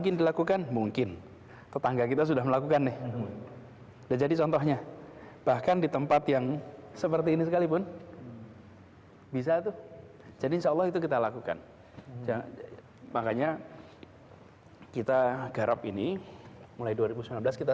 kiriman kiriman jadi harus diserap di sungainya